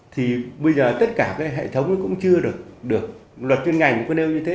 thì bây giờ tất cả cái hệ thống cũng chưa được được luật chuyên ngành cũng có nêu như thế